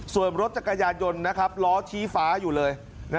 ส่วนรถจักรยานยนต์ล้อชี้ฟ้าอยู่เลย